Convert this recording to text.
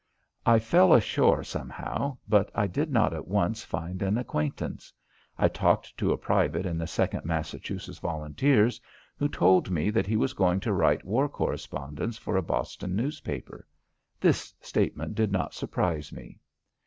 I fell ashore somehow, but I did not at once find an acquaintance. I talked to a private in the 2d Massachusetts Volunteers who told me that he was going to write war correspondence for a Boston newspaper. This statement did not surprise me.